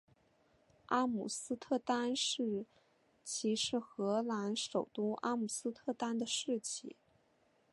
阿姆斯特丹市旗是荷兰首都阿姆斯特丹的市旗。